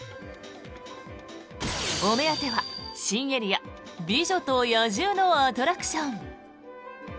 お目当ては新エリア「美女と野獣」のアトラクション。